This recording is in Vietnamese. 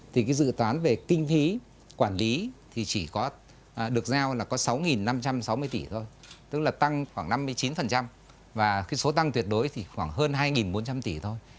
thì cái dự toán về kinh phí quản lý thì chỉ có được giao là có sáu năm trăm sáu mươi tỷ thôi tức là tăng khoảng năm mươi chín và cái số tăng tuyệt đối thì khoảng hơn hai bốn trăm linh tỷ thôi